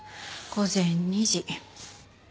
午前２時。